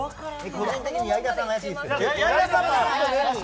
個人的に矢井田さんが怪しい。